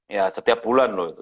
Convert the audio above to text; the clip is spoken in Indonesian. ya setiap bulan loh